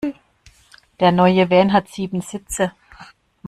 Der neue Van hat sieben Sitze.